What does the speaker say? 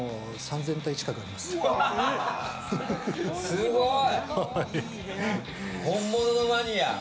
すごい。